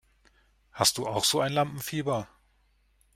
Hast du auch so ein Lampenfieber?